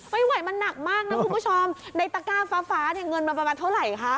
ไม่ไหวมันหนักมากนะคุณผู้ชมในตะก้าฟ้าเนี่ยเงินมาประมาณเท่าไหร่คะ